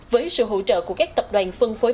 với sự hỗ trợ của các tập đoàn phân phối